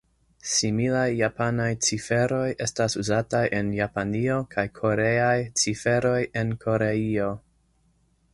Similaj japanaj ciferoj estas uzataj en Japanio kaj koreaj ciferoj en Koreio.